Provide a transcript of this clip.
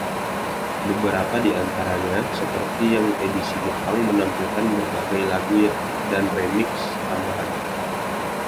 Beberapa di antaranya, seperti yang edisi Jepang, menampilkan berbagai lagu dan remix tambahan.